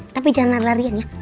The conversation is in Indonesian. tapi jangan larian ya